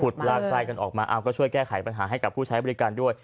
ลากไส้กันออกมาเอาก็ช่วยแก้ไขปัญหาให้กับผู้ใช้บริการด้วย